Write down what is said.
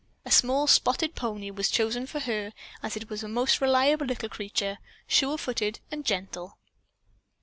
A small spotted pony was chosen for her, as it was a most reliable little creature sure footed and gentle.